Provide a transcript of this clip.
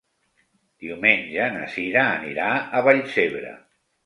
Diumenge na Cira anirà a Vallcebre.